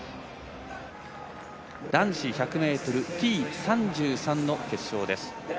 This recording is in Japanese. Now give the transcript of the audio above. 男子１００ｍＴ３３の決勝です。